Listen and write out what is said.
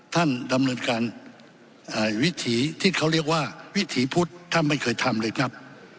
ท่านดำเนินการวิถีที่เขาเรียกว่าวิถีพุทธท่านไม่เคยทำเลยครับ